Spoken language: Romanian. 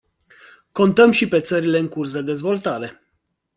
Contăm și pe țările în curs de dezvoltare.